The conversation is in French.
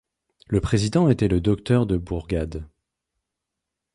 Le président était le Docteur de Bourgade.